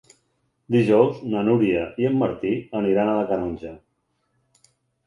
Dijous na Núria i en Martí aniran a la Canonja.